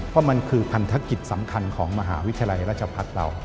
เพราะมันคือพันธกิจสำคัญของมหาวิทยาลัยราชพัฒน์เรา